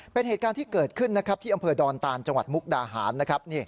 เป็นเหตุการณ์ที่เกิดขึ้นนะครับที่อำเภอดอนตานจังหวัดมุกดาหารนะครับ